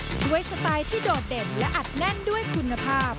ด้วยสไตล์ที่โดดเด่นและอัดแน่นด้วยคุณภาพ